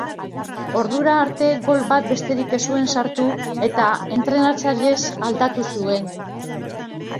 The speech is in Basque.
Ordura arte gol bat besterik ez zuen sartu, eta entrenatzailez aldatu zuen.